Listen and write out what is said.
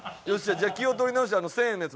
じゃあ気を取り直して１０００円のやつ